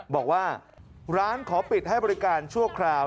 บอกว่าร้านขอปิดให้บริการชั่วคราว